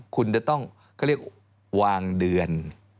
คุณจะต้องเขาเรียกวางเดือน